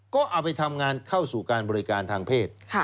ก็เอาไปทำงานเข้าสู่การบริการทางเพศ